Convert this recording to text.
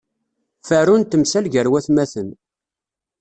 Ferru n temsal gar watmaten.